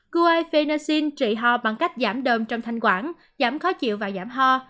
guifenazine trị ho bằng cách giảm đờm trong thanh quản giảm khó chịu và giảm ho